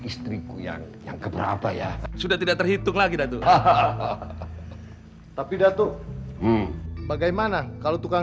istriku yang yang keberapa ya sudah tidak terhitung lagi datu hahaha tapi datu bagaimana kalau tukang